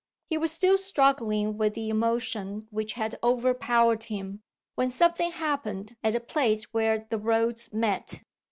He was still struggling with the emotion which had overpowered him, when something happened at the place where the roads met.